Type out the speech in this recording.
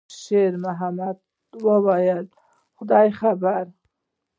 شېرمحمد وویل: «خدای خبر.»